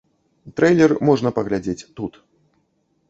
Трэйлер можна паглядзець тут.